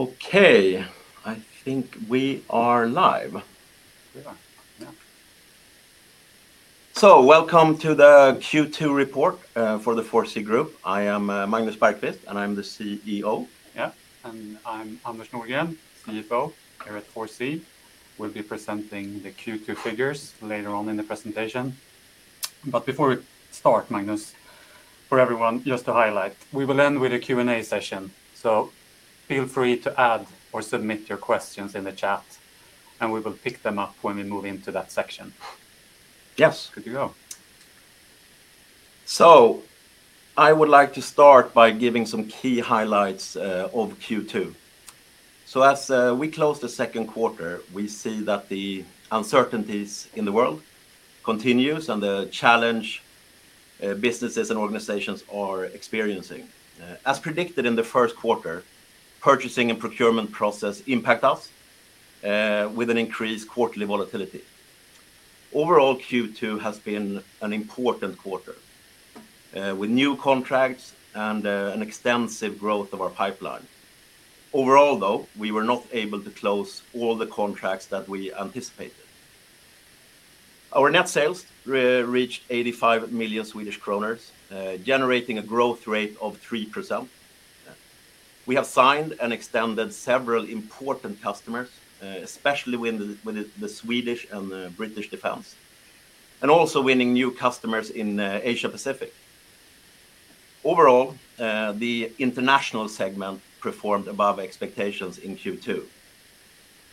Okay, I think we are live. We are, yeah. Welcome to the Q2 report for the 4C Group. I am Magnus Bergqvist, and I'm the CEO. Yeah, and I'm Anders Nordgren, CFO here at 4C. We'll be presenting the Q2 figures later on in the presentation. Before we start, Magnus, for everyone, just to highlight, we will end with a Q&A session. Feel free to add or submit your questions in the chat. We will pick them up when we move into that section. Yes. Good to go. I would like to start by giving some key highlights of Q2. As we close the second quarter, we see that the uncertainties in the world continue and the challenges businesses and organizations are experiencing. As predicted in the first quarter, purchasing and procurement processes impact us with increased quarterly volatility. Overall, Q2 has been an important quarter with new contracts and an extensive growth of our pipeline. Overall, though, we were not able to close all the contracts that we anticipated. Our net sales reached 85 million Swedish kronor, generating a growth rate of 3%. We have signed and extended several important customers, especially with Swedish and British defense, and also winning new customers in Asia Pacific. Overall, the international segment performed above expectations in Q2.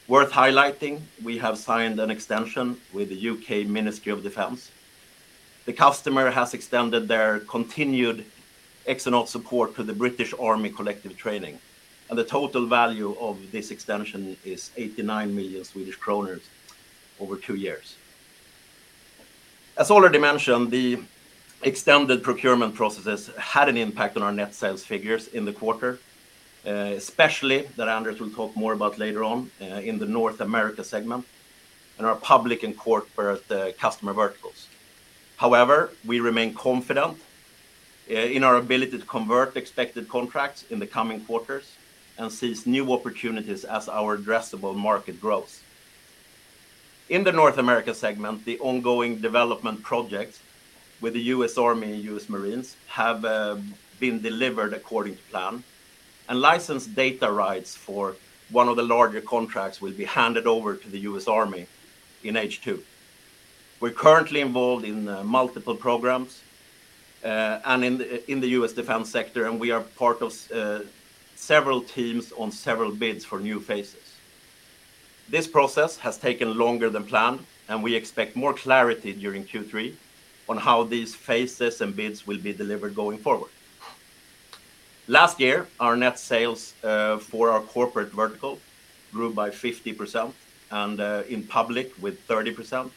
Worth highlighting, we have signed an extension with the U.K. Ministry of Defence. The customer has extended their continued Exonaut support to the British Army Collective Training. The total value of this extension is 89 million Swedish kronor over two years. As already mentioned, the extended procurement processes had an impact on our net sales figures in the quarter, especially that Anders will talk more about later on in the North America segment and our public and corporate customer verticals. However, we remain confident in our ability to convert expected contracts in the coming quarters and seize new opportunities as our addressable market grows. In the North America segment, the ongoing development projects with the U.S. Army and U.S. Marines have been delivered according to plan, and licensed data rights for one of the larger contracts will be handed over to the U.S. Army in H2. We're currently involved in multiple programs, in the U.S. defense sector, and we are part of several teams on several bids for new phases. This process has taken longer than planned, we expect more clarity during Q3 on how these phases and bids will be delivered going forward. Last year, our net sales for our corporate vertical grew by 50% and in public with 30%.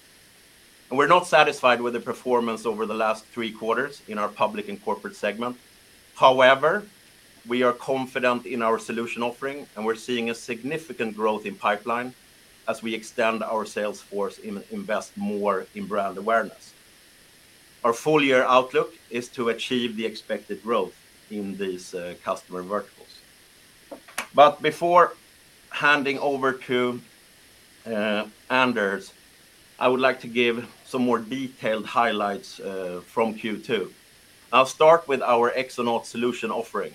We're not satisfied with the performance over the last three quarters in our public and corporate segment. We are confident in our solution offering, and we're seeing a significant growth in pipeline as we extend our sales force and invest more in brand awareness. Our full year outlook is to achieve the expected growth in these customer verticals. Before handing over to Anders Nordgren, I would like to give some more detailed highlights from Q2. I'll start with our Exonaut solution offering.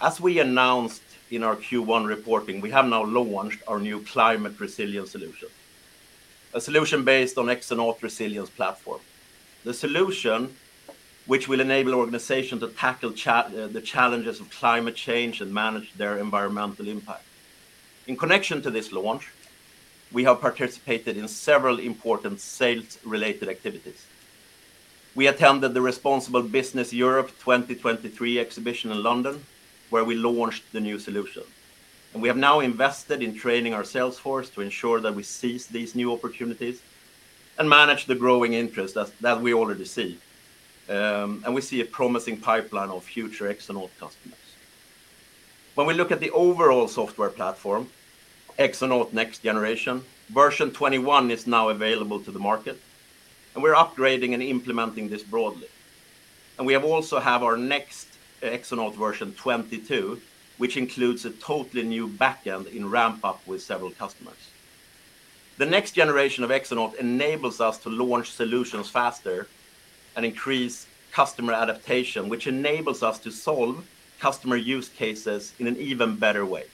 As we announced in our Q1 reporting, we have now launched our new Climate Resilience solution, a solution based on Exonaut Resilience Platform. The solution, which will enable organizations to tackle the challenges of climate change and manage their environmental impact. In connection to this launch, we have participated in several important sales-related activities. We attended the Responsible Business Europe 2023 exhibition in London, where we launched the new solution. We have now invested in training our sales force to ensure that we seize these new opportunities and manage the growing interest that we already see, and we see a promising pipeline of future Exonaut customers. When we look at the overall software platform, Exonaut Next Generation, version 21 is now available to the market, and we're upgrading and implementing this broadly. We have also our next Exonaut version 22, which includes a totally new back end in ramp-up with several customers. The next generation of Exonaut enables us to launch solutions faster and increase customer adaptation, which enables us to solve customer use cases in an even better way.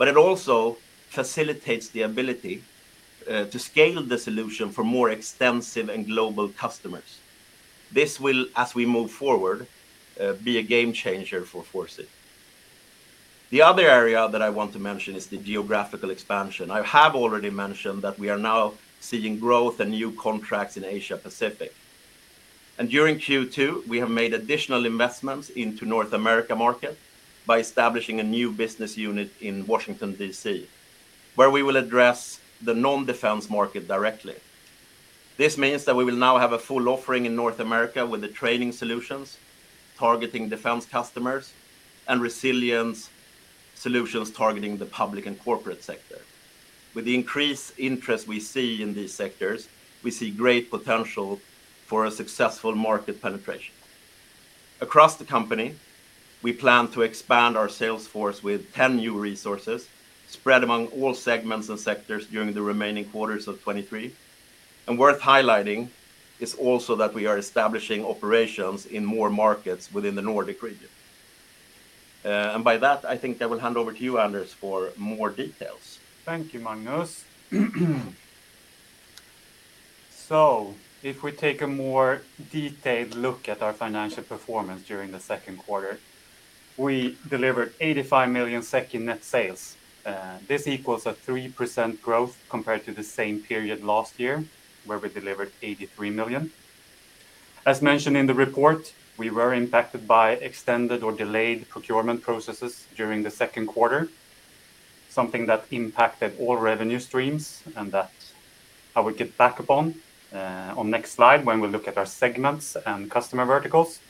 It also facilitates the ability to scale the solution for more extensive and global customers. This will, as we move forward, be a game changer for 4C. The other area that I want to mention is the geographical expansion. I have already mentioned that we are now seeing growth and new contracts in Asia Pacific. During Q2, we have made additional investments into North America by establishing a new business unit in Washington, D.C., where we will address the non-defense market directly. This means that we will now have a full offering in North America with the training solutions, targeting defense customers, and resilience solutions targeting the public and corporate sector. With the increased interest we see in these sectors, we see great potential for a successful market penetration. Across the company, we plan to expand our sales force with 10 new resources, spread among all segments and sectors during the remaining quarters of 2023. Worth highlighting is also that we are establishing operations in more markets within the Nordic region. By that, I think I will hand over to you, Anders, for more details. Thank you, Magnus. If we take a more detailed look at our financial performance during the second quarter, we delivered 85 million in net sales. This equals a 3% growth compared to the same period last year, where we delivered 83 million. As mentioned in the report, we were impacted by extended or delayed procurement processes during the second quarter, something that impacted all revenue streams and that I will get back upon on next slide, when we look at our segments and customer verticals.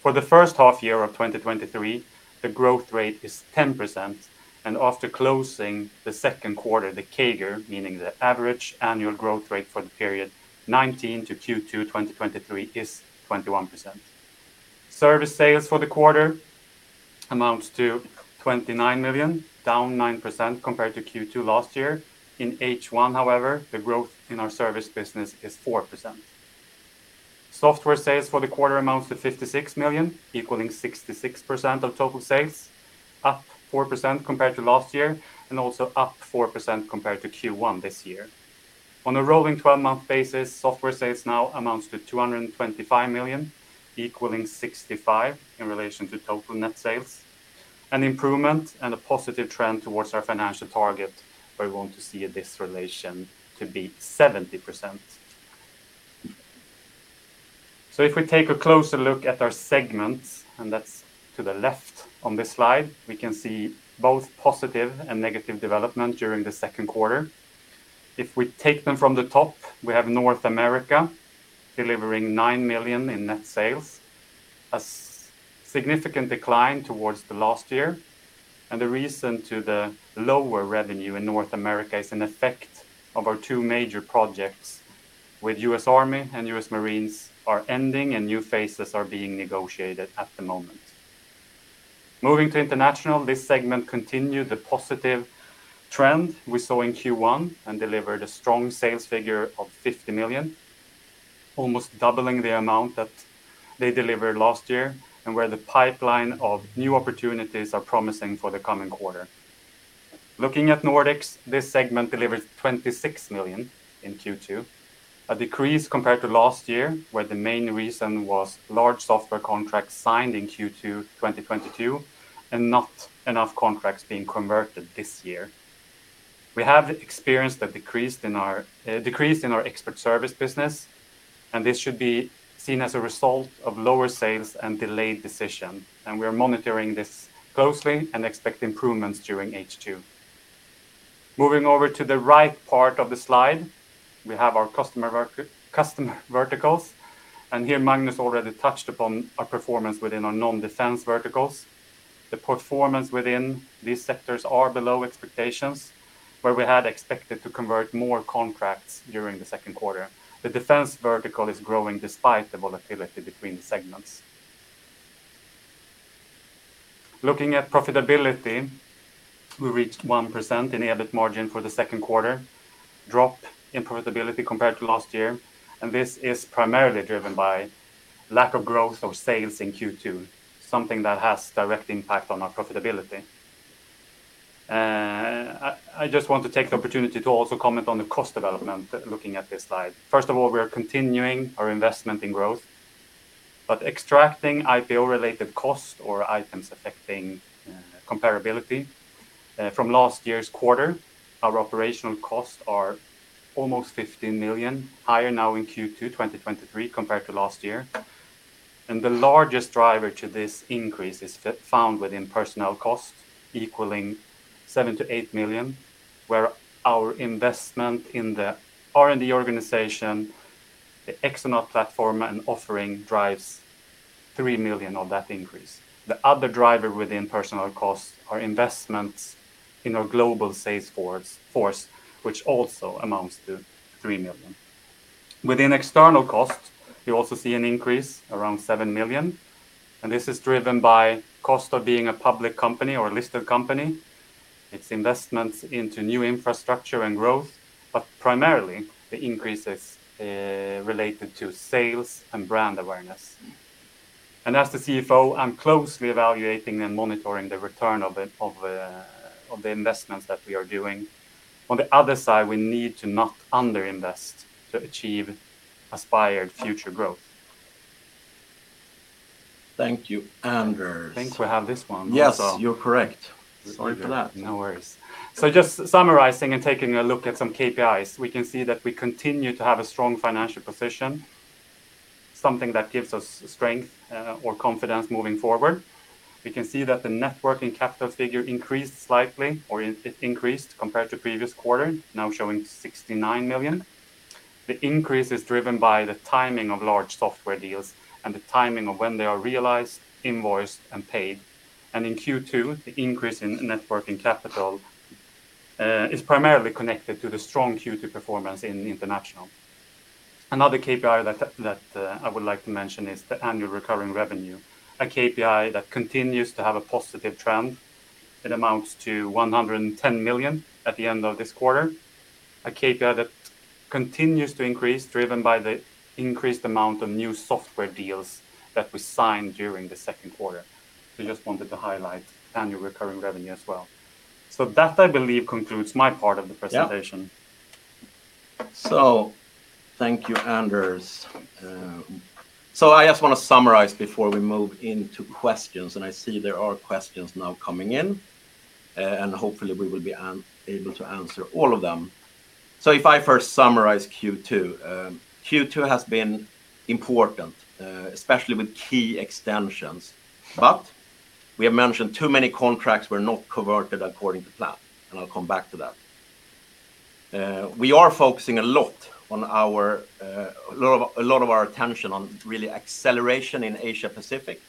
For the first half of 2023, the growth rate is 10%, and after closing the second quarter, the CAGR, meaning the average annual growth rate for the period 2019 to Q2 2023, is 21%. Service sales for the quarter amount to 29 million, down 9% compared to Q2 last year. In H1, however, the growth in our service business is 4%. Software sales for the quarter amount to 56 million, equaling 66% of total sales, up 4% compared to last year, and also up 4% compared to Q1 this year. On a rolling 12-month basis, software sales now amount to 225 million, equaling 65% in relation to total net sales. An improvement and a positive trend towards our financial target, where we want to see this relation to be 70%. If we take a closer look at our segments, and that's to the left on this slide, we can see both positive and negative development during the second quarter. If we take them from the top, we have North America delivering 9 million in net sales, a significant decline towards the last year, and the reason to the lower revenue in North America is an effect of our two major projects with U.S. Army and U.S. Marine Corps are ending, and new phases are being negotiated at the moment. Moving to international, this segment continued the positive trend we saw in Q1, and delivered a strong sales figure of 50 million, almost doubling the amount that they delivered last year, and where the pipeline of new opportunities are promising for the coming quarter. Looking at Nordics, this segment delivered 26 million in Q2, a decrease compared to last year, where the main reason was large software contracts signed in Q2 2022, and not enough contracts being converted this year. We have experienced a decrease in our expert service business. This should be seen as a result of lower sales and delayed decision. We are monitoring this closely and expect improvements during H2. Moving over to the right part of the slide, we have our customer verticals. Here, Magnus already touched upon our performance within our non-defense verticals. The performance within these sectors are below expectations, where we had expected to convert more contracts during the second quarter. The defense vertical is growing despite the volatility between segments. Looking at profitability, we reached 1% in EBIT margin for the second quarter, drop in profitability compared to last year. This is primarily driven by lack of growth of sales in Q2, something that has direct impact on our profitability. I just want to take the opportunity to also comment on the cost development, looking at this slide. First of all, we are continuing our investment in growth, but extracting IPO-related costs or items affecting comparability from last year's quarter, our operational costs are almost 15 million higher now in Q2 2023 compared to last year. The largest driver to this increase is found within personnel costs, equaling 7 million-8 million, where our investment in the R&D organization, the Exonaut platform and offering, drives 3 million of that increase. The other driver within personnel costs are investments in our global sales force, which also amount to 3 million. Within external cost, you also see an increase, around 7 million, and this is driven by cost of being a public company or a listed company. It's investments into new infrastructure and growth, but primarily, the increase is related to sales and brand awareness. As the CFO, I'm closely evaluating and monitoring the return of the investments that we are doing. On the other side, we need to not under-invest to achieve aspired future growth. Thank you, Anders. I think we have this one. Yes, you're correct. Sorry for that. No worries. Just summarizing and taking a look at some KPIs, we can see that we continue to have a strong financial position, something that gives us strength or confidence moving forward. We can see that the net working capital figure increased slightly, or it increased compared to previous quarter, now showing 69 million. The increase is driven by the timing of large software deals and the timing of when they are realized, invoiced, and paid. In Q2, the increase in net working capital is primarily connected to the strong Q2 performance in international. Another KPI that I would like to mention is the annual recurring revenue, a KPI that continues to have a positive trend. It amount to 110 million at the end of this quarter. A KPI that continues to increase, driven by the increased amount of new software deals that we signed during the second quarter. Just wanted to highlight annual recurring revenue as well. That, I believe, concludes my part of the presentation. Yeah. Thank you, Anders. I just want to summarize before we move into questions, I see there are questions now coming in, hopefully we will be able to answer all of them. If I first summarize Q2 has been important, especially with key extensions, but we have mentioned too many contracts were not converted according to plan, I'll come back to that. We are focusing a lot on our attention on really acceleration in Asia Pacific,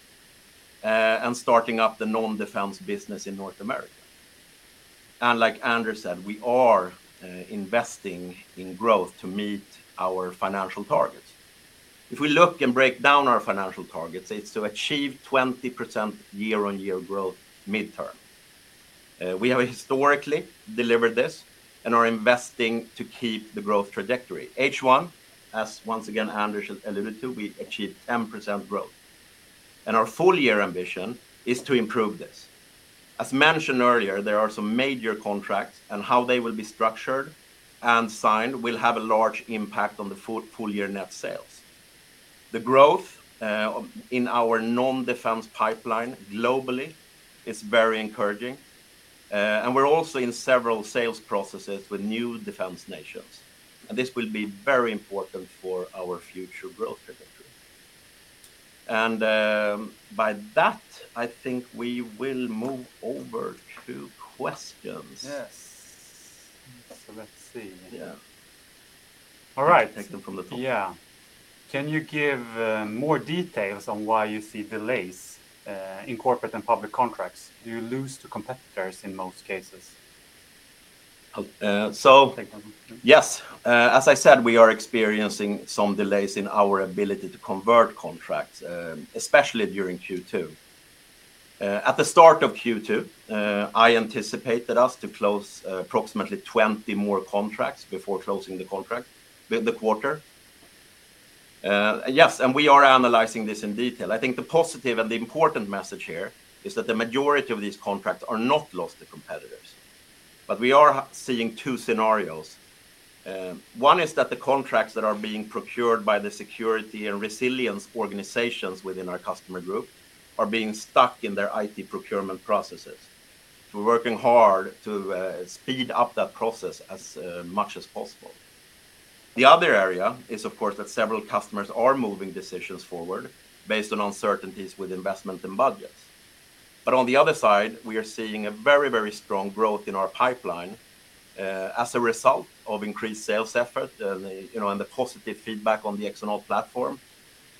starting up the non-defense business in North America. Like Anders said, we are investing in growth to meet our financial targets. If we look and break down our financial targets, it's to achieve 20% year-on-year growth midterm. We have historically delivered this and are investing to keep the growth trajectory. H1, as once again, Anders has alluded to, we achieved 10% growth, and our full year ambition is to improve this. As mentioned earlier, there are some major contracts, and how they will be structured and signed will have a large impact on the full year net sales. The growth in our non-defense pipeline globally is very encouraging, and we're also in several sales processes with new defense nations, and this will be very important for our future growth trajectory. By that, I think we will move over to questions. Yes. Let's see. Yeah. All right. Take them from the top. Yeah. Can you give more details on why you see delays in corporate and public contracts? Do you lose to competitors in most cases? Uh, so. Take that one. Yes. As I said, we are experiencing some delays in our ability to convert contracts, especially during Q2. At the start of Q2, I anticipated us to close approximately 20 more contracts before closing the contract with the quarter. Yes, we are analyzing this in detail. I think the positive and the important message here is that the majority of these contracts are not lost to competitors, but we are seeing two scenarios. One is that the contracts that are being procured by the security and resilience organizations within our customer group are being stuck in their IT procurement processes. We're working hard to speed up that process as much as possible. The other area is, of course, that several customers are moving decisions forward based on uncertainties with investment and budgets. On the other side, we are seeing a very, very strong growth in our pipeline, as a result of increased sales effort and the, you know, and the positive feedback on the Exonaut platform.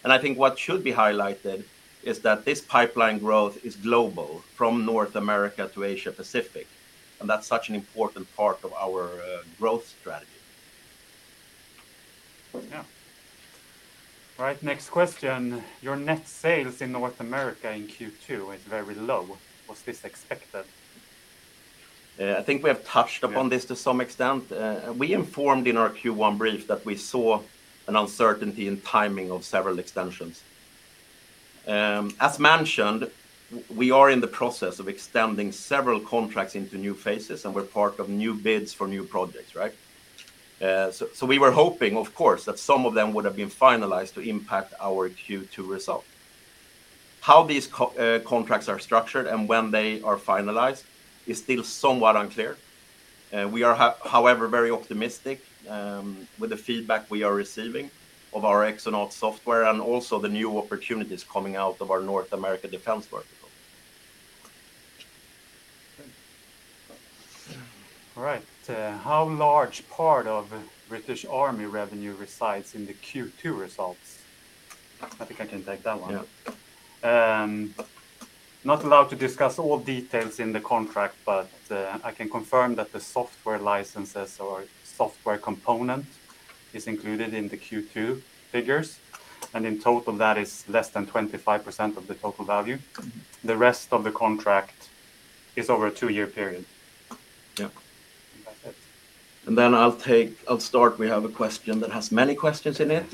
I think what should be highlighted is that this pipeline growth is global, from North America to Asia Pacific, and that's such an important part of our growth strategy. Right, next question. Your net sales in North America in Q2 is very low. Was this expected? I think we have upon this to some extent. We informed in our Q1 brief that we saw an uncertainty in timing of several extensions. As mentioned, we are in the process of extending several contracts into new phases, and we're part of new bids for new projects, right? We were hoping, of course, that some of them would have been finalized to impact our Q2 result. How these contracts are structured and when they are finalized is still somewhat unclear. We are, however, very optimistic, with the feedback we are receiving of our Exonaut software and also the new opportunities coming out of our North America defense vertical. All right, how large part of British Army revenue resides in the Q2 results? I think I can take that one. Not allowed to discuss all details in the contract, but I can confirm that the software licenses or software component is included in the Q2 figures, and in total, that is less than 25% of the total value. The rest of the contract is over a two-year period. That's it. I'll start. We have a question that has many questions in it.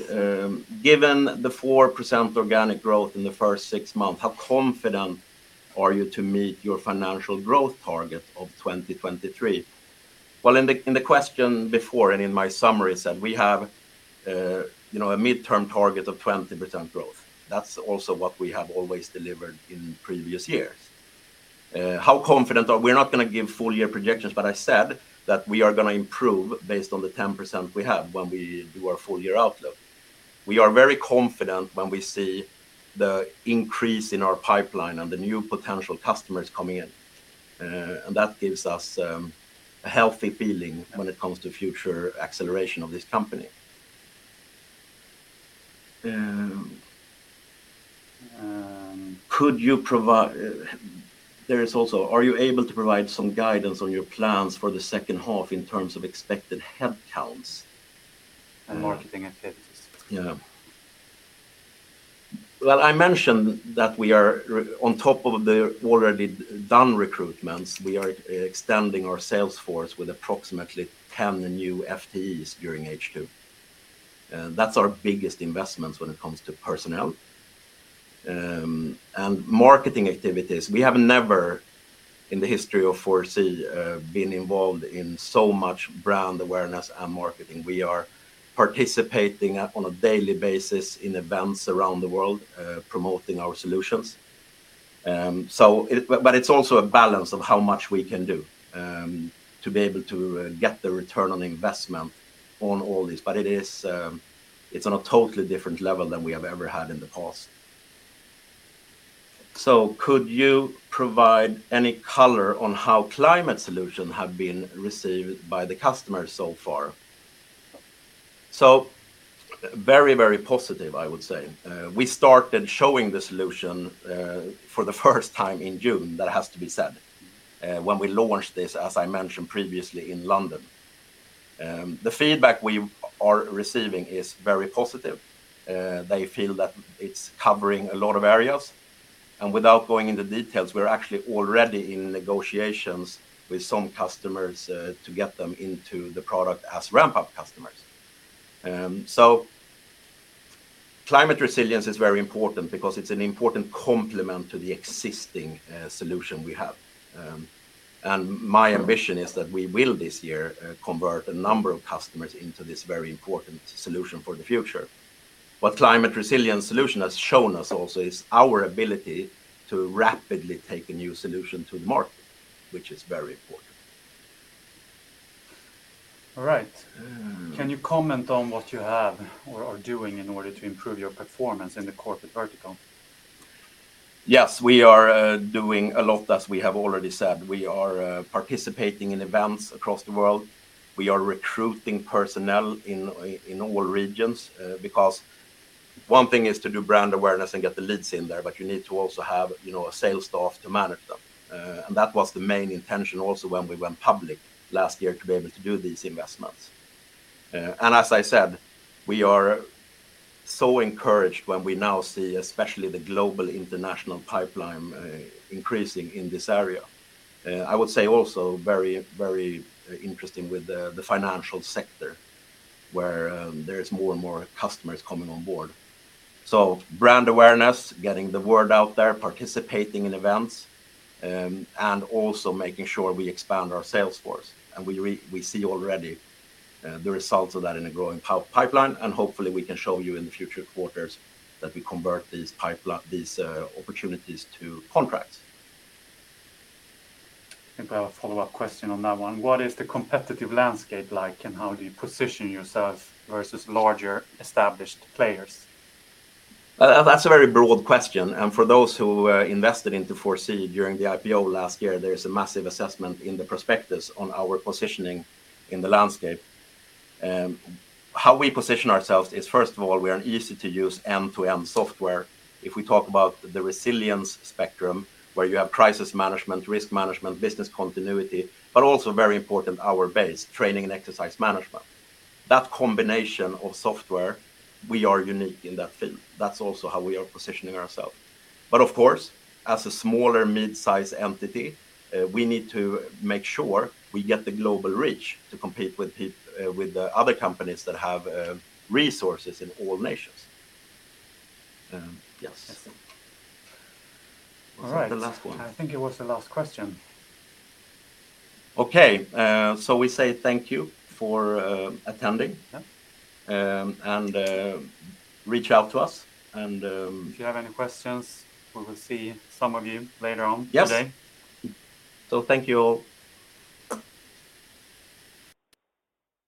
Given the 4% organic growth in the first six months, how confident are you to meet your financial growth target of 2023? In the, in the question before, and in my summary, said we have, you know, a midterm target of 20% growth. That's also what we have always delivered in previous years. How confident are we? We're not going to give full year projections, but I said that we are going to improve based on the 10% we have when we do our full year outlook. We are very confident when we see the increase in our pipeline and the new potential customers coming in, and that gives us a healthy feeling when it comes to future acceleration of this company. Could you provide, there is also, are you able to provide some guidance on your plans for the second half in terms of expected headcounts? Marketing activities? Yeah. Well, I mentioned that we are on top of the already done recruitments, we are extending our sales force with approximately 10 new FTEs during H2. That's our biggest investments when it comes to personnel. Marketing activities, we have never, in the history of 4C, been involved in so much brand awareness and marketing. We are participating at, on a daily basis in events around the world, promoting our solutions. It's also a balance of how much we can do to be able to get the ROI on all this. It is, it's on a totally different level than we have ever had in the past. Could you provide any color on how climate solution have been received by the customers so far? Very, very positive, I would say. We started showing the solution for the first time in June, that has to be said, when we launched this, as I mentioned previously in London. The feedback we are receiving is very positive. They feel that it's covering a lot of areas, and without going into details, we're actually already in negotiations with some customers to get them into the product as ramp-up customers. Climate Resilience is very important because it's an important complement to the existing solution we have. My ambition is that we will, this year, convert a number of customers into this very important solution for the future. What Climate Resilience solution has shown us also is our ability to rapidly take a new solution to the market, which is very important. All right. Can you comment on what you have or are doing in order to improve your performance in the corporate vertical? Yes, we are doing a lot, as we have already said. We are participating in events across the world. We are recruiting personnel in all regions. Because one thing is to do brand awareness and get the leads in there, but you need to also have, you know, a sales staff to manage them. That was the main intention also when we went public last year, to be able to do these investments. As I said, we are so encouraged when we now see, especially the global international pipeline, increasing in this area. I would say also very interesting with the financial sector, where there is more and more customers coming on board. Brand awareness, getting the word out there, participating in events, and also making sure we expand our sales force. We see already the results of that in a growing pipeline, and hopefully, we can show you in the future quarters that we convert these opportunities to contracts. I think I have a follow-up question on that one. What is the competitive landscape like, and how do you position yourself versus larger, established players? That's a very broad question. For those who invested into 4C during the IPO last year, there is a massive assessment in the prospectus on our positioning in the landscape. How we position ourselves is, first of all, we are an easy-to-use, end-to-end software. If we talk about the resilience spectrum, where you have crisis management, risk management, business continuity, but also very important, our base, training and exercise management. That combination of software, we are unique in that field. That's also how we are positioning ourselves. Of course, as a smaller, mid-size entity, we need to make sure we get the global reach to compete with the other companies that have resources in all nations. Yes. I see. Was that the last one? I think it was the last question. Okay. We say thank you for attending reach out to us, and. If you have any questions, we will see some of you later on. Yes. Today. Thank you all.